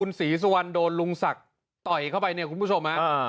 ศรีสุวรรณโดนลุงศักดิ์ต่อยเข้าไปเนี่ยคุณผู้ชมฮะ